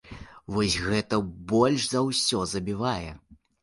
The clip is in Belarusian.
Вось гэта больш за ўсё забівае.